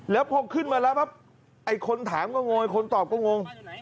แล้วพอขึ้นมาแล้วปั๊บไอ้คนถามก็งงคนตอบก็งง